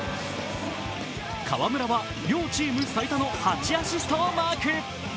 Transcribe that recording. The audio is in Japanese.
河村は両チーム最多の８アシストをマーク。